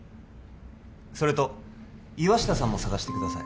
それと岩下さんも捜してください